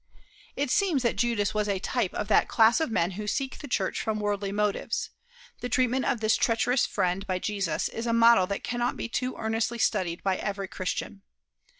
It seems that Judas was a type of that class of men who seek the church from worldly motives. The treatment of this treacherous friend by Jesus is a model that cannot be too earnestly studied by every Christian.